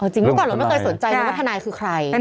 จริงต้นก่อนเราไม่เคยสนใจเรื่องว่าธนายคือใคร